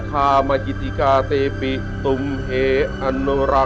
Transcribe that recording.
พระพุธเจ้าที่ท่านอุบัติขึ้นยนต์โลกนี้แล้ว